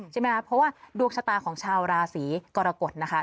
ใช่ไหมคะเพราะว่าดวงชะตาของชาวราศีกรกฎนะคะ